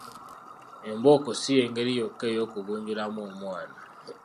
Embooko si y’engeri yokka ey’okugunjulamu omwana.